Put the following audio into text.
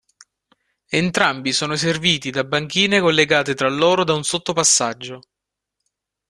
Entrambi sono serviti da banchine collegate tra loro da un sottopassaggio.